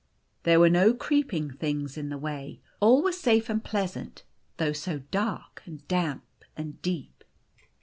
There were no creeping things in the way. All was safe and pleasant, though so dark and damp and deep.